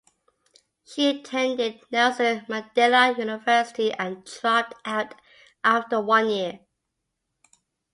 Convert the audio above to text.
She attended Nelson Mandela University and dropped out after one year.